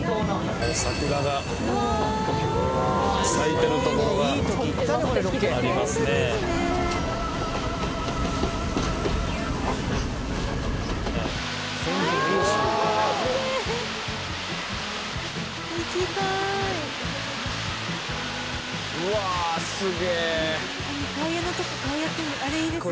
羽田：タイヤのとこ、こうやってあれ、いいですね。